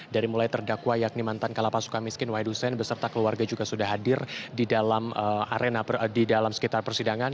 dari mulai terdakwa yakni mantan kalapas suka miskin wahidusen beserta keluarga juga sudah hadir di dalam arena di dalam sekitar persidangan